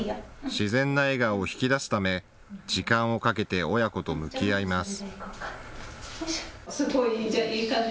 自然な笑顔を引き出すため時間をかけて親子と向き合います。